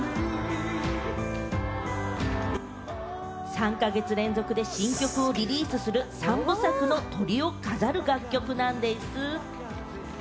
３か月連続で新曲をリリースする三部作のトリを飾る楽曲なんです。